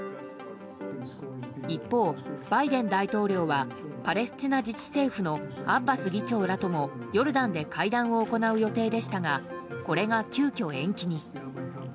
一方、バイデン大統領はパレスチナ自治政府のアッバス議長らともヨルダンで会談を行う予定でしたがこれが急きょ延期に。